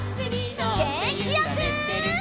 げんきよく！